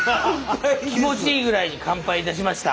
気持ちいいぐらいに完敗いたしました。